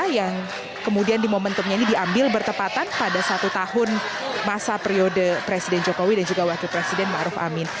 yang kemudian di momentumnya ini diambil bertepatan pada satu tahun masa periode presiden jokowi dan juga wakil presiden ⁇ maruf ⁇ amin